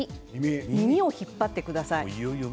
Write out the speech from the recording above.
耳を引っ張ってください。